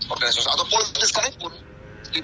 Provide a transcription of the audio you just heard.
organisasional ataupun administratif pun